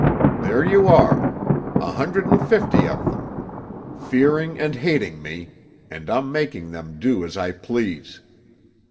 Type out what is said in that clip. There you are: a hundred and fifty of them, fearing and hating me, and I'm making them do as I please.